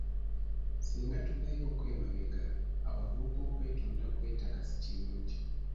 Singa tuddayokko emabega, abavubuka okwetundako ettaka si kirungi.